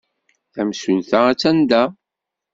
Tamsulta attan da.